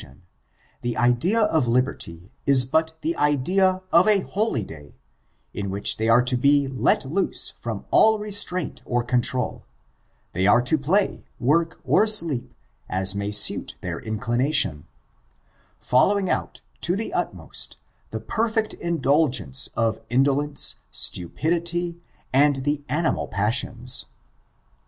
388 oaxoiN, character, mi^d tion, the idea of liberty is but the idea of a holydayi in which they are to be let loose from all restraint or control; they are to play, work, or sleepy ab may suit their inclination, (bllowing out, to the ut most, the perfect indulgence of indolence, stupidity, and the animal passions.